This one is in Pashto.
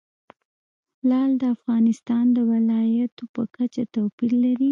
لعل د افغانستان د ولایاتو په کچه توپیر لري.